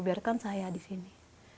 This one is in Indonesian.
biarkan saya di sini